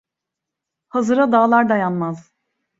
Hazıra dağlar dayanmaz.